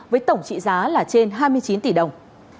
với tổng trị giá là trên hai mươi chín tỷ đồng